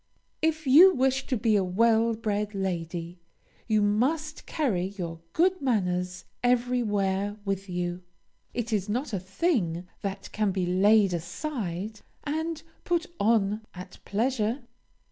If you wish to be a well bred lady, you must carry your good manners everywhere with you. It is not a thing that can be laid aside and put on at pleasure.